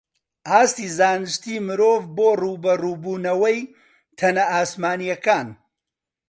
ئاستی زانستی مرۆڤ بۆ ڕووبەڕووبوونەوەی تەنە ئاسمانییەکان